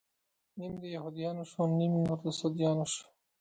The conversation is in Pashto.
نيم د يهود يانو شو، نيم نور د سعوديانو شو